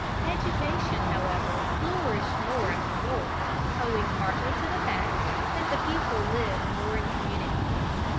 ] Education, however, flourished more at the North, owing partly to the fact that the people lived more in communities.